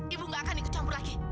ibu gak akan ikut campur lagi